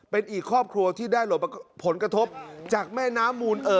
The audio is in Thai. เป็นอีกครอบครัวที่ได้ผลกระทบจากแม่น้ำมูล